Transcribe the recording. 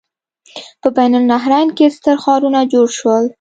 په بین النهرین کې ستر ښارونه جوړ شول.